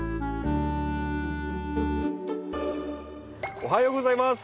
おはようございます。